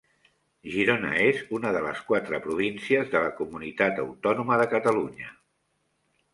Girona és una de les quatre províncies de la comunitat autònoma de Catalunya.